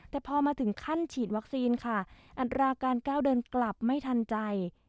แต่พอมาถึงขั้นฉีดวัคซีนค่ะอัตราการก้าวเดินกลับไม่ทันใจ